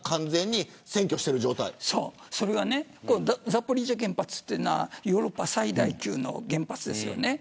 ザポリージャ原発というのはヨーロッパ最大級の原発です。